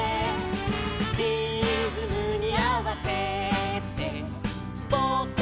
「リズムにあわせてぼくたちも」